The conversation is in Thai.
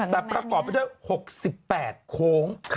แต่ประกอบไปด้วย๖๘โค้ง